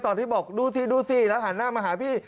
ตอนที่บอกดูสิดูสิแล้วหันหน้ามาหาพี่